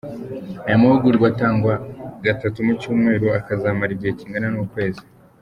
Aya mahugurwa atangwa gatatu mu cyumweru akazamara igihe kingana n’ukwezi.